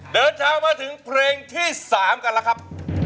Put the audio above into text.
เดินทางมาถึงเพลงที่๓กันแล้วครับ